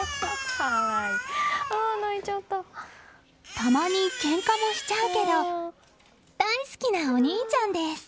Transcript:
たまにけんかもしちゃうけど大好きなお兄ちゃんです。